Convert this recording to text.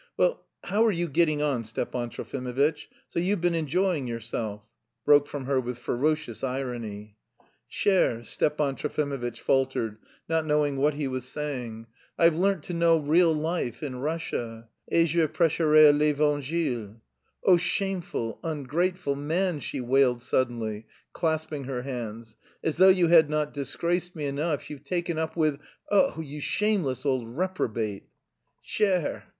"Well, how are you getting on, Stepan Trofimovitch? So you've been enjoying yourself?" broke from her with ferocious irony. "Chère," Stepan Trofimovitch faltered, not knowing what he was saying, "I've learnt to know real life in Russia... et je prêcherai l'Evangile." "Oh, shameless, ungrateful man!" she wailed suddenly, clasping her hands. "As though you had not disgraced me enough, you've taken up with... oh, you shameless old reprobate!" _"Chère..."